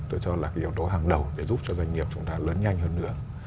tôi cho là cái yếu tố hàng đầu để giúp cho doanh nghiệp chúng ta lớn nhanh hơn nữa